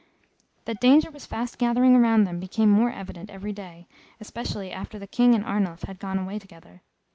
That danger was fast gathering around them became more evident every day, especially after the King and Arnulf had gone away together.